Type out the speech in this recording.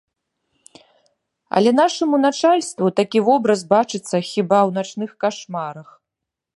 Але нашаму начальству такі вобраз бачыцца хіба ў начных кашмарах.